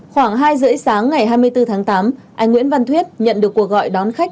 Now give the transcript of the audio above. khoảng hai h ba mươi sáng ngày hai mươi bốn tháng tám anh nguyễn văn thuyết nhận được cuộc gọi đón khách